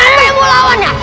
siap yang mau lawannya